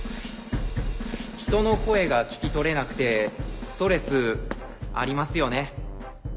人の声が聞き取れなくてストレスありますよね。